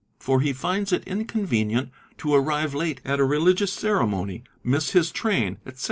for he finds it inconvenient to arrive late at a religious ceremony, hiss his train, ete.